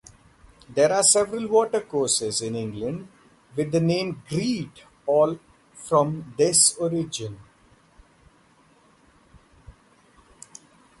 There are several watercourses in England with the name 'Greet', all from this origin.